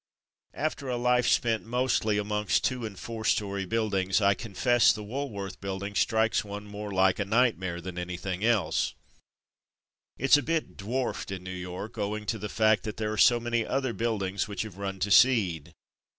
After a life spent mostly amongst two and four storey buildings, I confess the Wool worth building strikes one more like a night mare than anything else. It's a bit dwarfed in New York owing to the fact that there are so many other buildings which have run to seed.